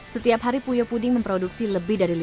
setiap hari puyo puding memproduksi lebih dari lima ratus produk